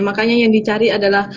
makanya yang dicari adalah